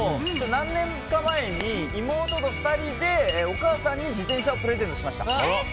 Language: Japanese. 何年か前に妹と２人でお母さんに自転車をプレゼントしました。